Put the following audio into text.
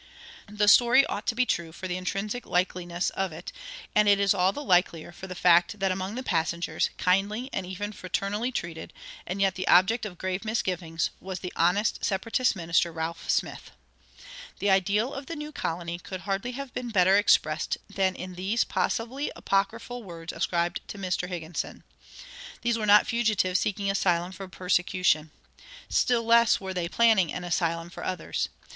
'" The story ought to be true, for the intrinsic likeliness of it; and it is all the likelier for the fact that among the passengers, kindly and even fraternally treated, and yet the object of grave misgivings, was the honest Separatist minister, Ralph Smith.[91:1] The ideal of the new colony could hardly have been better expressed than in these possibly apocryphal words ascribed to Mr. Higginson. These were not fugitives seeking asylum from persecution. Still less were they planning an asylum for others.